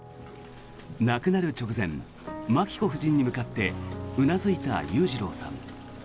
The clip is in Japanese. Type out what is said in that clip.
亡くなる直前まき子夫人に向かってうなずいた裕次郎さん。